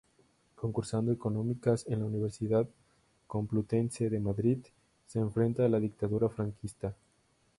Cursando Económicas en la Universidad Complutense de Madrid, se enfrenta a la dictadura franquista.